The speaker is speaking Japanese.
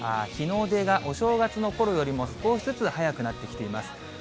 日の出がお正月のころよりも少しずつ早くなってきています。